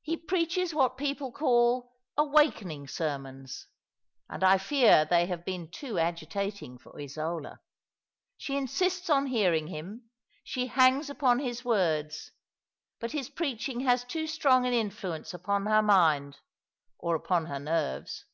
He preaches what people^call awakening sermons; and I fear they have been too agitating for Isola. She insists on hearing him; she hangs upon his words ; but his preaching has too strong an influence upon her mind — or upon her nerves.